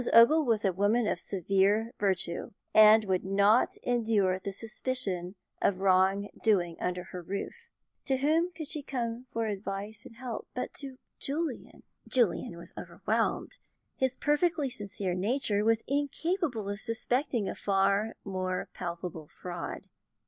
Ogle was a woman of severe virtue, and would not endure the suspicion of wrong doing under her roof. To whom could she come for advice and help, but to Julian? Julian was overwhelmed. His perfectly sincere nature was incapable of suspecting a far more palpable fraud.